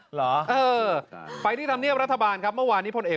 เหรอเออไปที่ธรรมเนียบรัฐบาลครับเมื่อวานนี้พลเอก